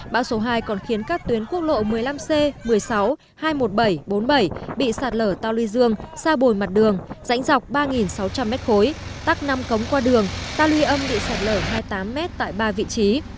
bão số hai còn khiến các tuyến quốc lộ một mươi năm c một mươi sáu hai trăm một mươi bảy bốn mươi bảy bị sạt lở tao luy dương xa bồi mặt đường rãnh dọc ba sáu trăm linh m khối tắc năm cống qua đường ta luy âm bị sạt lở hai mươi tám m tại ba vị trí